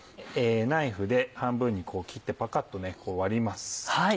ナイフで半分に切ってパカっと割ります。